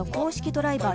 ドライバー